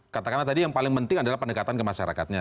katakanlah tadi yang paling penting adalah pendekatan ke masyarakatnya